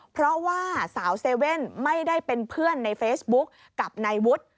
เพราะว่าสาวเซเว่นไม่ได้เป็นเพื่อนในเฟซบุ๊กกับนายวุฒิ